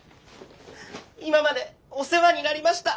今までお世話になりました！